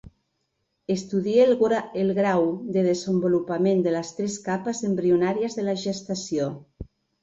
Estudie el grau de desenvolupament de les tres capes embrionàries de la gestació.